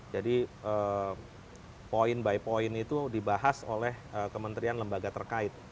jadi point by point itu dibahas oleh kementerian lembaga terkait